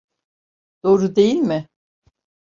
Doğru değil mi?